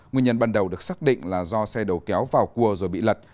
nguyên nhân ban đầu được xác định là do xe đầu kéo vào cua rồi bị lật